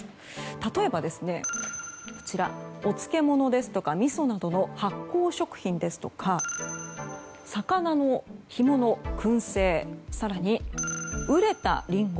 例えば、お漬物ですとかみそなどの発酵食品ですとか魚の干物、燻製更に、熟れたリンゴ。